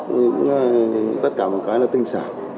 thì cũng tất cả mọi cái là tinh sản